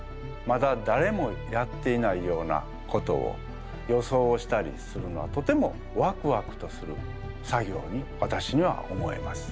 まだだれもやっていないようなことを予想をしたりするのはとてもワクワクとする作業にわたしには思えます。